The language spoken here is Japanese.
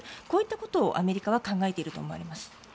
こういったことをアメリカは考えていると思われます。